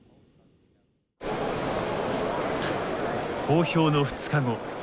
公表の２日後。